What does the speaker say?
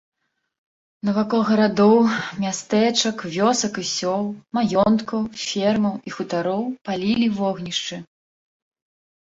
Навакол гарадоў, мястэчак, вёсак і сёл, маёнткаў, фермаў і хутароў палілі вогнішчы.